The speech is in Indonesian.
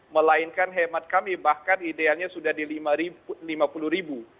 melainkan hemat kami bahkan idealnya sudah di lima puluh ribu